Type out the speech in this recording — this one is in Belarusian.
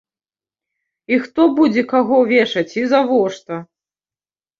І хто будзе каго вешаць і завошта?